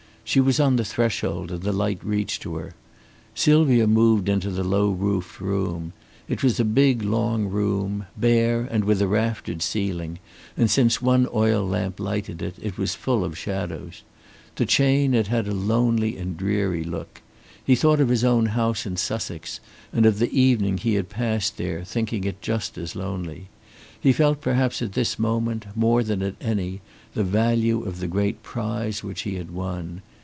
She was on the threshold and the light reached to her. Sylvia moved into the low roofed room. It was a big, long room, bare, and with a raftered ceiling, and since one oil lamp lighted it, it was full of shadows. To Chayne it had a lonely and a dreary look. He thought of his own house in Sussex and of the evening he had passed there, thinking it just as lonely. He felt perhaps at this moment, more than at any, the value of the great prize which he had won.